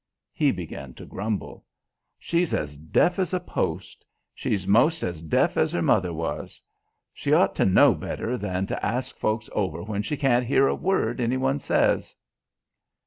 He began to grumble. "She's as deaf as a post. She's 'most as deaf as her mother was. She ought to know better than to ask folks over when she can't hear a word any one says."